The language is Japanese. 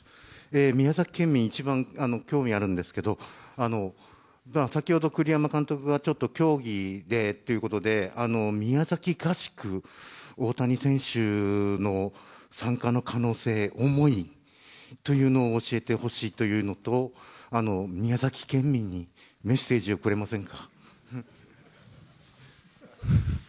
宮崎県民、一番興味あるんですけど、先ほど栗山監督がちょっと競技でということで、宮崎、大谷選手の参加の可能性、重いというのを教えてほしいというのと、宮崎県民にメッセージをくれませんか。